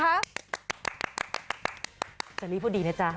สวัสดีพ่อดีนะจ๊ะ